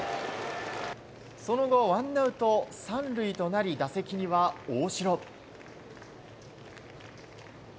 その後、ワンアウト３塁となり打席には大城。